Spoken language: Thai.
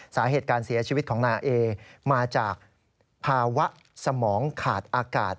สาเหตุการเสียชีวิตของนาเอมาจากภาวะสมองขาดอากาศ